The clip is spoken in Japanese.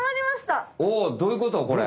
おどういうことこれ？